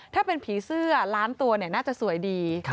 ถ้าเป็นผีเสื้อล้านตัวน่าจะสวยดี